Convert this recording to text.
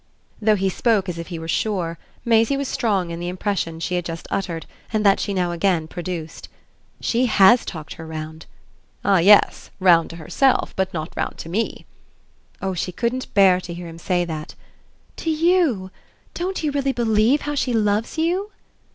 Though he spoke as if he were sure, Maisie was strong in the impression she had just uttered and that she now again produced. "She has talked her round." "Ah yes; round to herself, but not round to me." Oh she couldn't bear to hear him say that! "To you? Don't you really believe how she loves you?"